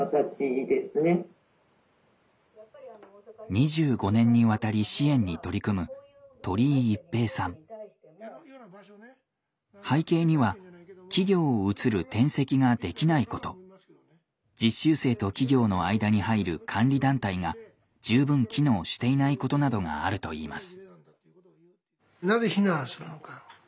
２５年にわたり支援に取り組む背景には企業を移る転籍ができないこと実習生と企業の間に入る監理団体が十分機能していないことなどがあるといいます。